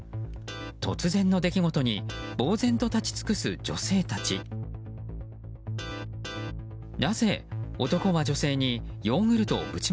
突然の出来事にぼう然と立ち尽くす女性たち。